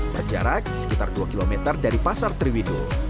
berjarak sekitar dua km dari pasar triwidu